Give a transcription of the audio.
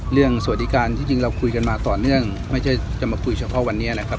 สวัสดีการที่จริงเราคุยกันมาต่อเนื่องไม่ใช่จะมาคุยเฉพาะวันนี้นะครับ